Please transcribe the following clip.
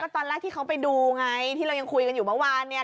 ตอนแรกที่เขาไปดูไงที่เรายังคุยกันอยู่เมื่อวานเนี่ย